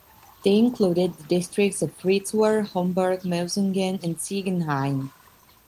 They included the districts of Fritzlar, Homberg, Melsungen, and Ziegenhain.